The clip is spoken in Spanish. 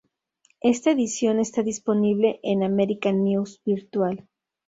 Esta edición está disponible en American News Virtual.